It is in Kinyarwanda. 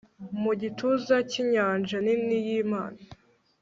Mu gituza cyinyanja nini yImana